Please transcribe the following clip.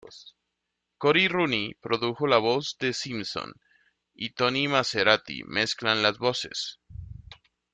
Cory Rooney produjo la voz de Simpson y Tony Maserati mezclan las voces.